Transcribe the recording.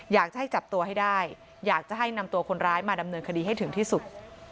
อยากจะให้จับตัวให้ได้อยากจะให้นำตัวคนร้ายมาดำเนินคดีให้ถึงที่สุด